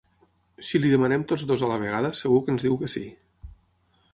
Si li demanem tots dos a la vegada segur que ens diu que sí.